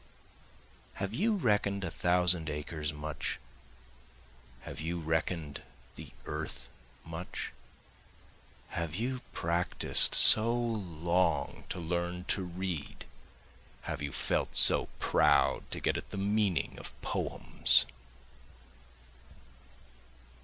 Have you reckon'd a thousand acres much? have you reckon'd the earth much? Have you practis'd so long to learn to read? Have you felt so proud to get at the meaning of poems?